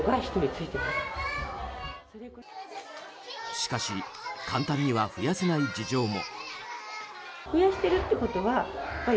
しかし簡単には増やせない事情も。